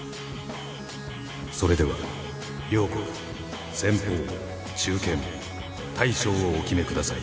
それでは両国先鋒中堅大将をお決めください。